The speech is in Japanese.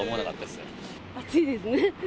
暑いですね。